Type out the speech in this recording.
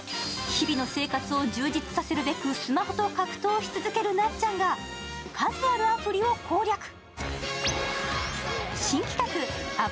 日々の生活を充実させるべくスマホと格闘し続けるなっちゃんが数あるアプリを攻略。